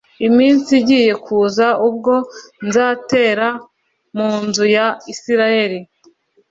iminsi igiye kuza ubwo nzatera mu nzu ya isirayeli